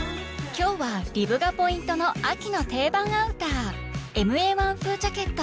今日はリブがポイントの秋の定番アウター「ＭＡ−１風ジャケット」。